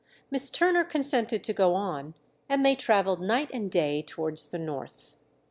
Miss Turner consented to go on, and they travelled night and day towards the north.